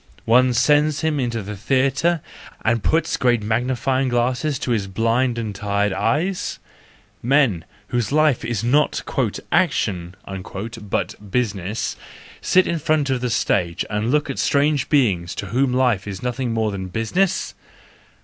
One sends him into the theatre and puts great magnifying glasses to his blind and tired eyes? Men, whose life is not "action" but business, sit in front of the stage and look at strange beings to whom life is more than business?